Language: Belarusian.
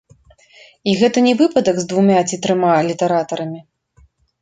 І гэта не выпадак з двума ці трыма літаратарамі.